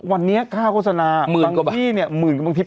วันนี้ค่าโฆษณาบางที่๑๐๐๐๐กว่าบางที่๘๐๐๐บางที่